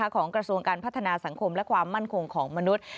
ของกระทรวงการพัฒนาสังคมและความมั่นคงของมนุษย์